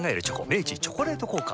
明治「チョコレート効果」